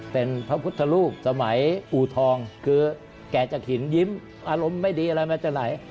เป็นพระพุทธรูปสมัยอูทองคือแก่จากหินยิ้มอารมณ์ไม่ดีอะไรมาจากไหน